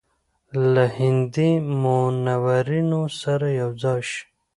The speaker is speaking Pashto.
له هندي منورینو سره یو ځای شي.